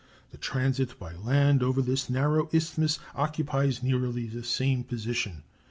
The transit by land over this narrow isthmus occupies nearly the same position.